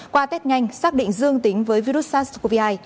qua test nhanh xác định dương tính với virus sars cov hai